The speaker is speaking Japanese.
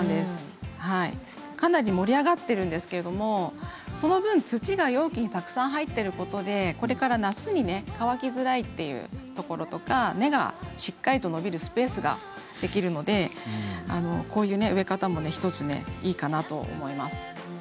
かなり盛り上がっているんですけれどその分、土が容器にたくさん入っているのでこれから夏に乾きづらいというところとか根がしっかりと伸びるスペースができるのでこういう植え方も１ついいかなと思います。